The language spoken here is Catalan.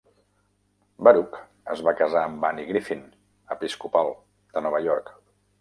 Baruch es va casar amb Annie Griffin, episcopal, de Nova York.